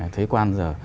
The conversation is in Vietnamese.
thuế quan giờ